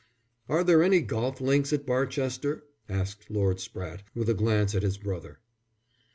"Are there any golf links at Barchester?" asked Lord Spratte, with a glance at his brother.